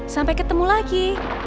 sampai ketemu lagi